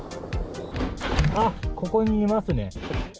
あっ、ここにいますね。